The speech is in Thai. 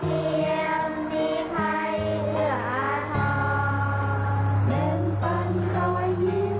หนึ่งต้นร้อยนิ้ว